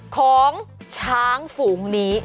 ของช้างฝูงนี้